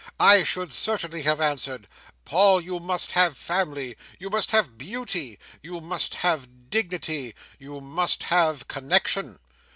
I should certainly have answered, 'Paul, you must have family, you must have beauty, you must have dignity, you must have connexion.